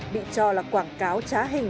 bị cho là quảng cáo trá hình